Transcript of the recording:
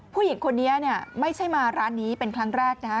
ผู้หญิงคนนี้เนี่ยไม่ใช่มาร้านนี้เป็นครั้งแรกนะฮะ